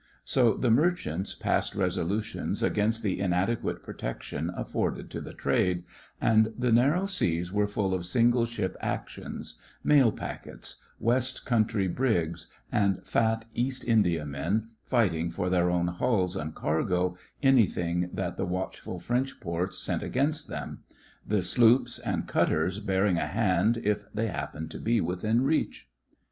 So the merchants passed resolutions against the inade quate protection afforded to the trade, and the narrow seas were full of single ship actions; mail packets. West THE FRINGES OF THE FLEET 7 Country brigs, and fat East India men fighting for their own hulls and cargo anything that the watchful French ports sent against them; the sloops and cutters bearing a hand if they happened to be within reach.